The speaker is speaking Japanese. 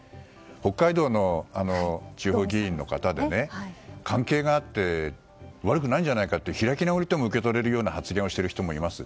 北海道の地方議員の方でね関係があっても悪くないんじゃないかという開き直りとも受け取れるような発言をしている人もいます。